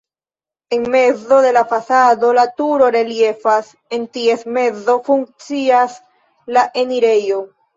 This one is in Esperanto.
En mezo de la fasado la turo reliefas, en ties mezo funkcias la enirejo.